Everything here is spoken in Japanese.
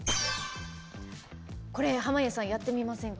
これ、濱家さんやってみませんか？